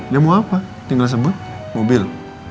dia mau apa tinggal sebut mobil